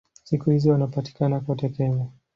Siku hizi wanapatikana kote Kenya.